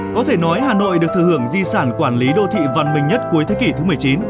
có thể nói hà nội được thừa hưởng di sản quản lý đô thị văn minh nhất cuối thế kỷ thứ một mươi chín